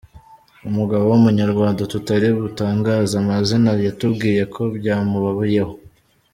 Umugabo w’ umunyarwanda tutari butangaze amazina yatubwiye ko byamubayeho.